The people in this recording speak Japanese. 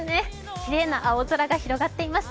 きれいな青空が広がっています。